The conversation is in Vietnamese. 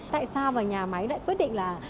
tại sao mà nhà máy lại quyết định là